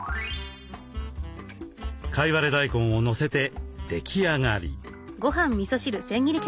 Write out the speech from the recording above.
かいわれ大根をのせて出来上がり。